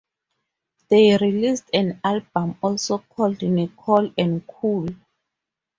They released an album, also called "Nicol and Cool".